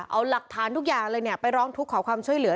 เอาหลักฐานทุกอย่างเลยไปร้องทุกข์ขอความช่วยเหลือ